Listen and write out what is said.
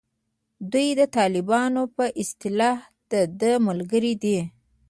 دوی د طالبانو په اصطلاح دده ملګري دي.